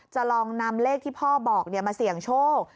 จะลองนำเลขที่พ่อบอกมาเสี่ยงโชค